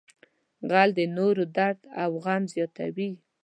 غل د نورو درد او غم زیاتوي